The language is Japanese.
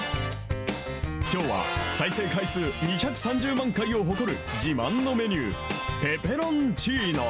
きょうは再生回数２３０万回を誇る、自慢のメニュー、ペペロンチーノ。